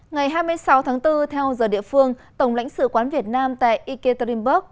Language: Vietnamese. ngày hai mươi sáu tháng bốn theo giờ địa phương tổng lãnh sự quán việt nam tại ekaterinburg